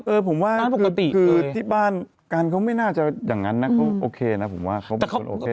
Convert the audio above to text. เออผมว่าปกติคือที่บ้านกันเขาไม่น่าจะอย่างนั้นนะเขาโอเคนะผมว่าเขาเป็นคนโอเค